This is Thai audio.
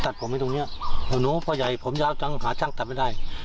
ผมไว้ตรงเนี้ยหนูพ่อใหญ่ผมยาวจังหาช่างตัดไม่ได้